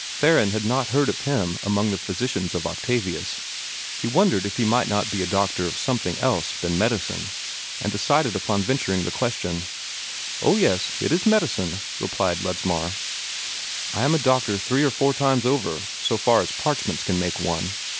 Theron had not heard of him among the physicians of Octavius. He wondered if he might not be a doctor of something else than medicine, and decided upon venturing the question. "Oh, yes, it is medicine," replied Ledsmar. "I am a doctor three or four times over, so far as parchments can make one.